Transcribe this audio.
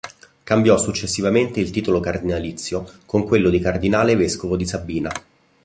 Cambiò successivamente il titolo cardinalizio con quello di cardinale vescovo di Sabina.